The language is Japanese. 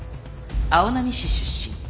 青波市出身。